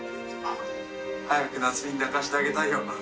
早く夏美に抱かせてあげたいよ。